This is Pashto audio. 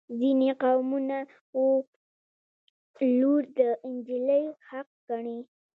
ځینې قومونه ولور د نجلۍ حق ګڼي.